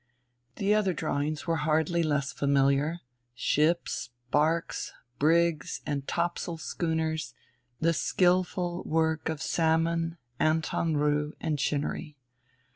The other drawings were hardly less familiar; ships, barques, brigs and topsail schooners, the skillful work of Salmon, Anton Roux and Chinnery.